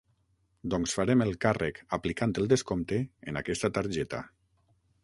Doncs farem el càrrec, aplicant el descompte, en aquesta targeta.